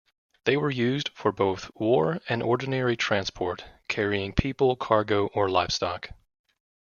They were used for both war and ordinary transport, carrying people, cargo or livestock.